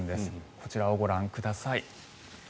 こちらをご覧ください。